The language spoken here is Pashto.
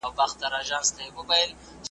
په سراب کي دي په زړه سوم لاس دي جارسم ,